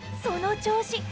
その調子！